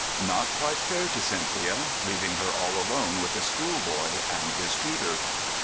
Not quite fair to Cynthia—leaving her all alone with a schoolboy and his tutor.